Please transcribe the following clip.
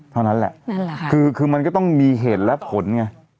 เท่านั้นแหละคือมันก็ต้องมีเหตุและผลไง